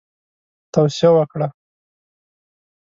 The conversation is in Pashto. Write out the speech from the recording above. توصیه وکړه.